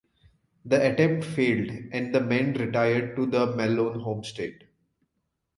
The attempt failed and the men retired to the Malone homestead.